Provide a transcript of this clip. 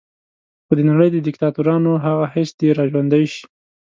خو د نړۍ د دیکتاتورانو هغه حس دې را ژوندی شي.